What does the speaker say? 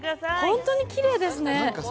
ホントにきれいですね。